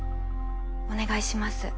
お願いします。